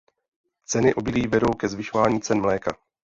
Ceny obilí vedou ke zvyšování cen mléka.